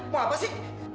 mau apa sih